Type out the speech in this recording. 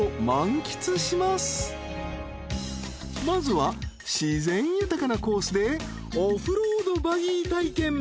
［まずは自然豊かなコースでオフロードバギー体験］